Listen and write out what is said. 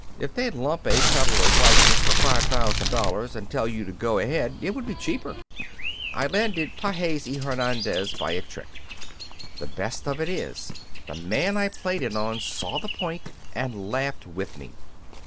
If they'd lump a peddler's license for $5,000 and tell you to go ahead, it would be cheaper. I landed Pages y Hernandez by a trick. The best of it is the man I played it on saw the point and laughed with me.